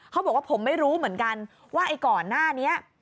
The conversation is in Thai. เขาบอกว่าผมไม่รู้เหมือนกันว่าไอ้ก่อนหน้านี้